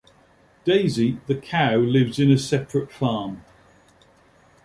Daisy, the cow lives in a separate farm.